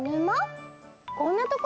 こんなところで？